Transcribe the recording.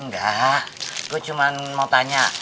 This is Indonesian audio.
enggak gue cuma mau tanya